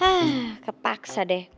hah kepaksa deh